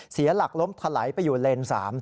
เสียหลักล้มถลายไปอยู่เลน๓